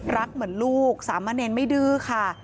รักเหมือนลูกสามะเนรไม่ดื้อค่ะ